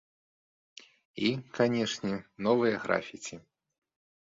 І, канечне, новыя графіці!